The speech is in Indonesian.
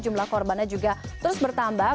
jumlah korbannya juga terus bertambah